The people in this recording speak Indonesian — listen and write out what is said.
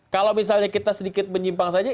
kalau misalnya kita sedikit menyimpang saja